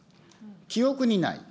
記憶にない。